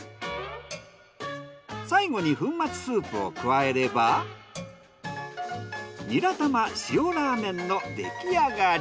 最後に粉末スープを加えればニラたま塩ラーメンのできあがり。